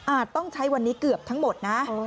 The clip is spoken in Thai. ต้องใช้วันนี้เกือบทั้งหมดนะ